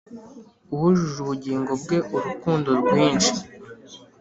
wujuje ubugingo bwe urukundo rwinshi,